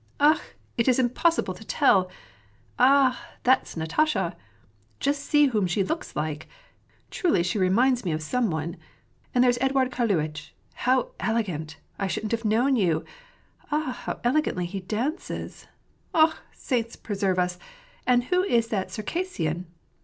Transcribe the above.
<' Akh ! it's impossible to tell ! Ah, that's Natasha ! Just see whom she looks like ! Truly she reminds me of some one! And there's Eduard Karluitch! How elegant! I shouldn't have known you. Akh ! how elegantly he dances ! Akh ! Saints preserve us ! and who is that Circassian